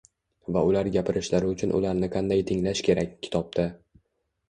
va ular gapirishlari uchun ularni qanday tinglash kerak” kitobda